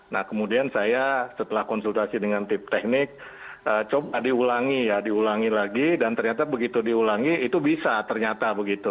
nah kemudian saya setelah konsultasi dengan tim teknik coba diulangi ya diulangi lagi dan ternyata begitu diulangi itu bisa ternyata begitu